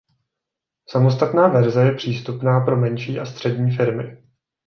Samostatná verze je přístupná pro menší a střední firmy.